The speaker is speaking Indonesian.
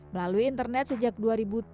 melalui internet sejak dua ribu tiga belas lalu